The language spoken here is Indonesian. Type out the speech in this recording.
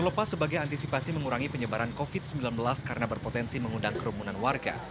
terlepas sebagai antisipasi mengurangi penyebaran covid sembilan belas karena berpotensi mengundang kerumunan warga